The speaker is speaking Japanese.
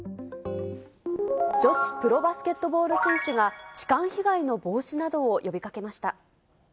女子プロバスケットボール選手が、痴漢被害の防止などを呼びかけました。